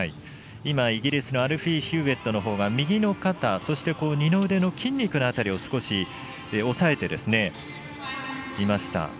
イギリスのアルフィー・ヒューウェットが右の肩、そして二の腕の筋肉の辺りを少し押さえていました。